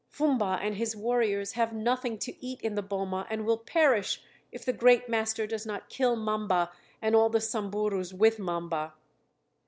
Fumba and his warriors have nothing to eat in the boma and will perish if the great master does not kill Mamba and all the Samburus with Mamba."